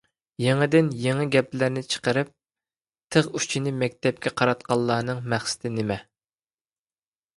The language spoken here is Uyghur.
يېڭىدىن يېڭى گەپلەرنى چىقىرىپ، تىغ ئۇچىنى مەكتەپكە قاراتقانلارنىڭ مەقسىتى نېمە؟